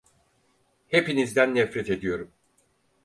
Hepinizden nefret ediyorum.